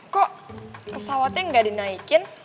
kok pesawatnya gak dinaikin